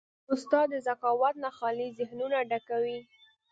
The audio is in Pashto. استاد د ذکاوت نه خالي ذهنونه ډکوي.